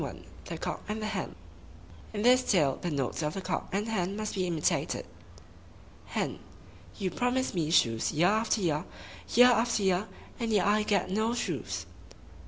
THE COCK AND HEN (In this tale the notes of the Cock and Hen must be imitated.) Hen —You promise me shoes year after year, year after year, and yet I get no shoes!